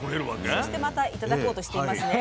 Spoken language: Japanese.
そしてまた頂こうとしていますね。